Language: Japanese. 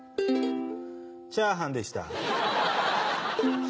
チャーハンでした。